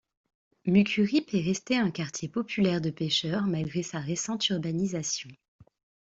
Mucuripe est resté un quartier populaire de pêcheurs malgré sa récente urbanisation.